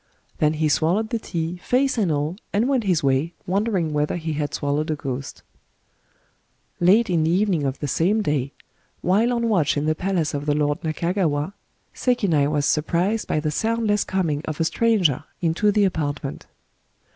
— then he swallowed the tea, fece and all, and went his way, wondering whether he had swallowed a ghost Late in the evening of the same day, while on watch in the palace of the lord Nakagawa, Sekinai was surprised by the soundless coming of a stranger into the apartment.